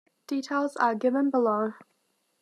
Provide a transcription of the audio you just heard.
Details are given below.